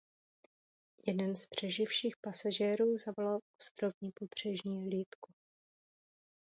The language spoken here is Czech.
Jeden z přeživších pasažérů zavolal ostrovní pobřežní hlídku.